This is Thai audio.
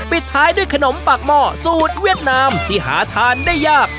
ปิดท้ายด้วยขนมปากหม้อสูตรเวียดนามที่หาทานได้ยาก